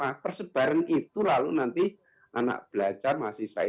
anak belajar mahasiswa itu berubah menjadi pendidikan yang lebih baik untuk kita dan kita bisa membangun